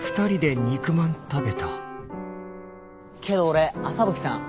けど俺麻吹さん